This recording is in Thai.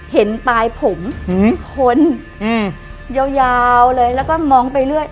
เห็นปลายผมคนยาวเลยแล้วก็มองไปเรื่อย